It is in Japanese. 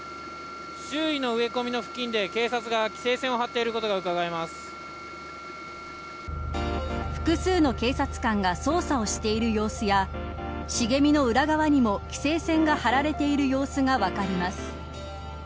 周囲の植え込みの付近で警察が規制線を張っていることが複数の警察官が捜査をしている様子や茂みの裏側にも規制線が張られている様子が分かります。